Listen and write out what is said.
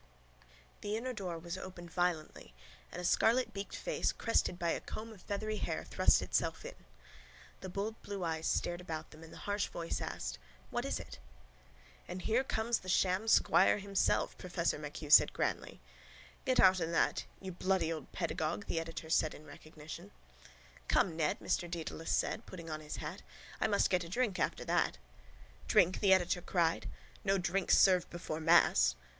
The inner door was opened violently and a scarlet beaked face, crested by a comb of feathery hair, thrust itself in. The bold blue eyes stared about them and the harsh voice asked: —What is it? —And here comes the sham squire himself! professor MacHugh said grandly. —Getonouthat, you bloody old pedagogue! the editor said in recognition. —Come, Ned, Mr Dedalus said, putting on his hat. I must get a drink after that. —Drink! the editor cried. No drinks served before mass.